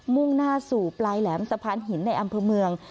มุ่งหน้าสู่ปลายแหลมสะพานหินในอำเภอเมือง